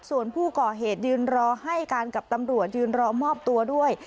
ส่วนผู้ก่อเหตุยืนรอให้การกับตำรวจยืนรอมอบตัวด้วย